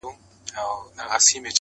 د شته من پر کور یو وخت د غم ناره سوه -